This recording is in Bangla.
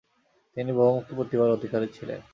তিনি বহুমুখী প্রতিভার অধিকারী ছিলেন।